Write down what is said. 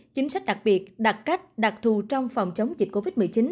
chính sách đặc biệt đặt cách đặc thù trong phòng chống dịch covid một mươi chín